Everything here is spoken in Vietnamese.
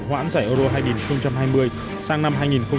hoãn giải euro hai nghìn hai mươi sang năm hai nghìn hai mươi